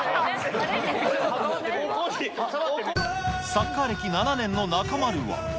サッカー歴７年の中丸は。